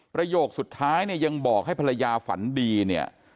ประโยคสุดท้ายเนี่ยยังบอกให้ภรรยาฝันดีเนี่ย